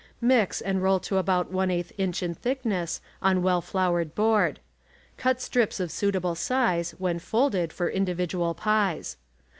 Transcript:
Mix, and roll to about y<] inch in thickness on well floured board. Cut strips of suitable size, when folded, for individual pies.